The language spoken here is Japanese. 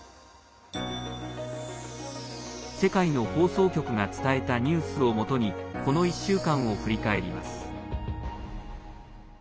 世界の放送局が伝えたニュースをもとにこの１週間を振り返ります。